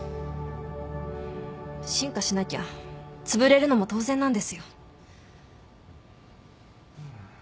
進化しなきゃつぶれるのも当然なんですよ。